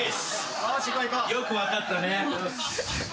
よく分かったね。